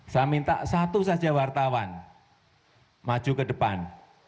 saya minta satu saja wartawan maju ke depan